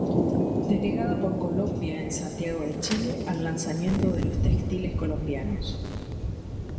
Delegada por Colombia en Santiago de Chile al lanzamiento de los textiles colombianos.